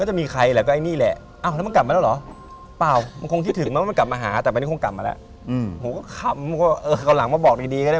ทั้งตัวคือเป็นแผลหมดเลย